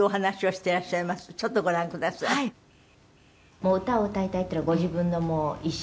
「もう歌を歌いたいっていうのはご自分の意思？」